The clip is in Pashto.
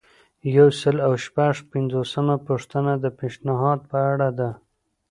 یو سل او شپږ پنځوسمه پوښتنه د پیشنهاد په اړه ده.